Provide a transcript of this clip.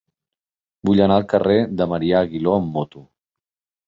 Vull anar al carrer de Marià Aguiló amb moto.